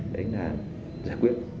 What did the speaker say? đấy là giải quyết